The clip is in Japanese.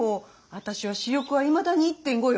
私は視力はいまだに１．５よ。